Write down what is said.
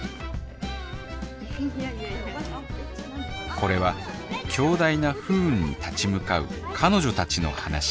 これは強大な不運に立ち向かう彼女たちの話。